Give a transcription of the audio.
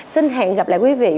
xin hẹn gặp lại quý vị